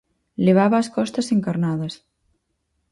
Levaba as costas encarnadas.